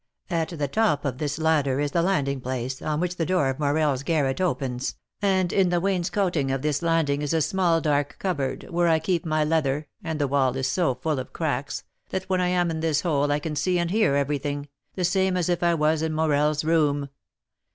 "At the top of this ladder is the landing place, on which the door of Morel's garret opens, and in the wainscoting of this landing is a small dark cupboard, where I keep my leather, and the wall is so full of cracks, that when I am in this hole I can see and hear everything, the same as if I was in Morel's room.